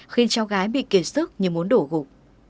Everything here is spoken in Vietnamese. khiến cháu gái bị kỳ sức như muốn đổ gục